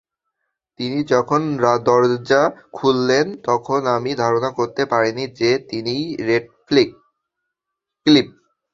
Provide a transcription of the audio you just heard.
তিনি যখন দরজা খুললেন, তখন আমি ধারণা করতে পারিনি যে, তিনিই রেডক্লিফ।